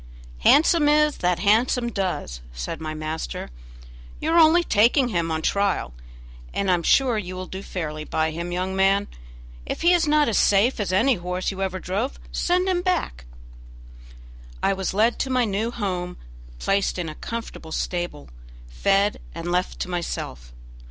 "'Handsome is that handsome does'," said my master; "you are only taking him on trial, and I am sure you will do fairly by him, young man. If he is not as safe as any horse you ever drove send him back." I was led to my new home, placed in a comfortable stable, fed, and left to myself.